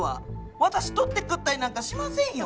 私取って食ったりなんかしませんよ！